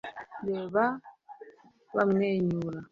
reba bamwenyura,